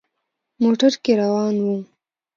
موټر کې روان وو.